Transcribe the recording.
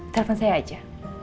telepon saya aja